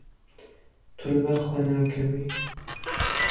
Tu li ber xwe nakevî.